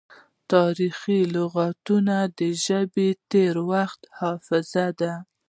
تاریخي لغتونه د ژبې د تیر وخت حافظه ده.